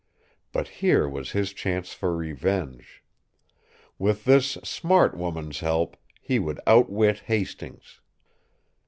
But here was his chance for revenge! With this "smart" woman's help, he would outwit Hastings!